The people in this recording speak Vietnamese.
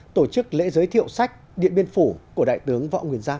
tổ chức lễ giới thiệu sách điện biên phủ của đại tướng võ nguyên giáp